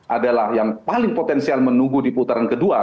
adalah yang paling potensial menunggu di putaran kedua